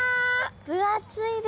分厚いですね。